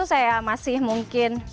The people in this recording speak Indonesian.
saya masih mungkin